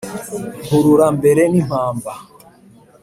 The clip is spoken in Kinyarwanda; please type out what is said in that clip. mpurura mbere n'impambara